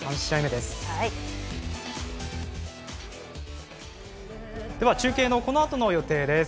では、中継のこのあとの予定です。